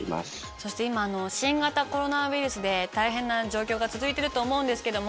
そして今新型コロナウイルスで大変な状況が続いてると思うんですけども。